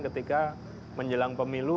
ketika menjelang pemilu